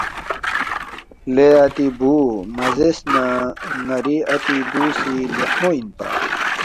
”لے اتی بُو مہ زیرس نہ ن٘ری اتی بُو سی لیخمو اِنپا